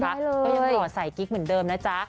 ก็ยังหล่อใส่กิ๊กเหมือนเดิมนะจ๊ะ